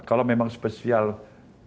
kalau memang spesial pak luhut merayu saya ya